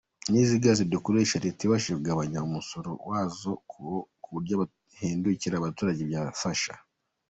N’izi gaz dukoresha leta ibashije kugabanya umusoro wazo ku buryo bihendukira abaturage byafasha.